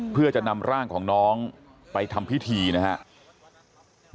เพื่อจะนำร่างของน้องไปทำพิธีนะครับ